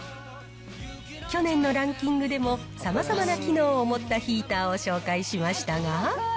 去年のランキングでも、さまざまな機能を持ったヒーターを紹介しましたが。